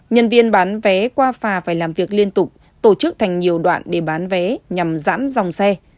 nhân viên bán vé qua phà phải làm việc liên tục tổ chức thành nhiều đoạn để bán vé nhằm giãn dòng xe